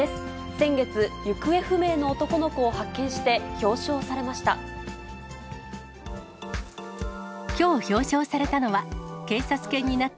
先月、行方不明の男の子を発見して、表彰されました。